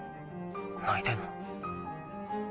泣いてんの？